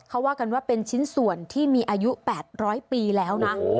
เขาว่ากันว่าเป็นชิ้นส่วนที่มีอายุ๘๐๐ปีแล้วนะ